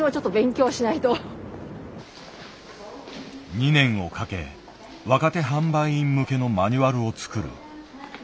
２年をかけ若手販売員向けのマニュアルを作る。